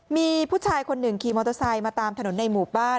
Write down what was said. มีผู้ชายคนหนึ่งขี่มอเตอร์ไซค์มาตามถนนในหมู่บ้าน